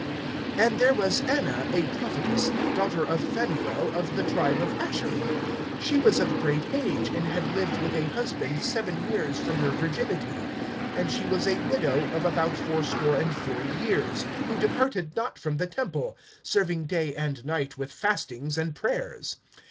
(36)And there was Anna, a prophetess, daughter of Phanuel, of the tribe of Asher. She was of great age, and had lived with a husband seven years from her virginity; (37)and she was a widow of about fourscore and four years, who departed not from the temple, serving day and night with fastings and prayers.